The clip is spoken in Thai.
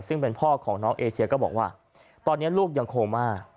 ซึ่งเป็นพ่อของน้องเอเชียก็บอกว่าตอนนี้ลูกยังโคม่า